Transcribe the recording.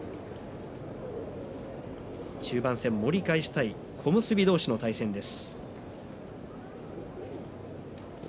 中盤戦、盛り返したい小結同士の対戦です。